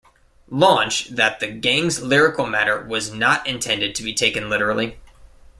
Launch that the Gang's lyrical matter was not intended to be taken literally.